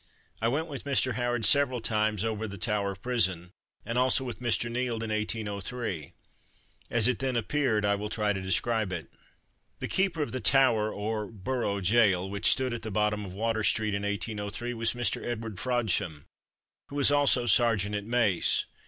I went with Mr. Howard several times, over the Tower Prison, and also with Mr. Nield, in 1803. As it then appeared I will try to describe it. The keeper of the Tower or Borough Gaol, which stood at the bottom of Water street in 1803, was Mr. Edward Frodsham, who was also sergeant at mace.